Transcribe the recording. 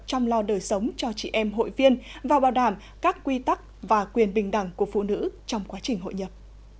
trong lo đời sống cho chị em hội viên và bảo đảm các quy tắc và quyền bình đẳng của phụ nữ trong quá trình hội nhập